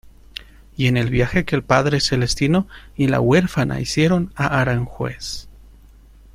Y en el viaje que el padre celestino y la huérfana hicieron a aranjuez.